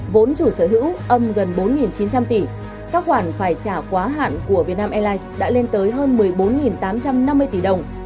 vốn chủ sở hữu âm gần bốn chín trăm linh tỷ các khoản phải trả quá hạn của việt nam airlines đã lên tới hơn một mươi bốn tám trăm năm mươi tỷ đồng